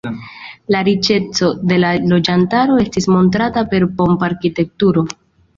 La riĉeco de la loĝantaro estis montrata per pompa arkitekturo.